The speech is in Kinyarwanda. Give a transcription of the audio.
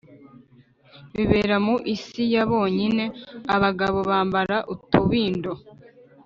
bibera mu isi ya bonyine Abagabo bambara utubindo